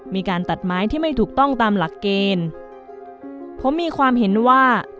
มีการตัดไม้ที่ไม่ถูกต้องตามหลักเกณฑ์ผมมีความเห็นว่า